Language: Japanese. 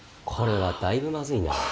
これはだいぶまずいな。